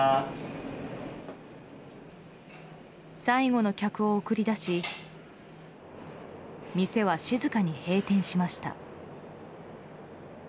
最後の客を送り出し店は、静かに閉店しました。